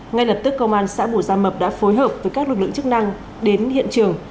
ngay lập tức công an xã bù gia mập đã phối hợp với các lực lượng chức năng đến hiện trường